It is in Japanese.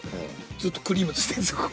ずっとクリーム付いてるんすよ、ここ。